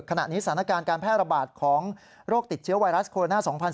ขณะนี้สถานการณ์การแพร่ระบาดของโรคติดเชื้อไวรัสโคโรนา๒๐๑๙